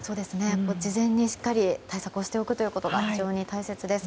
事前にしっかり対策しておくことが非常に大切です。